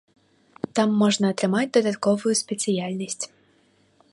Там можна атрымаць дадатковую спецыяльнасць.